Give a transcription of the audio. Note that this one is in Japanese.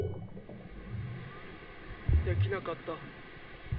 できなかった。